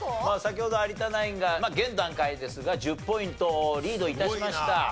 先ほど有田ナインが現段階ですが１０ポイントリード致しました。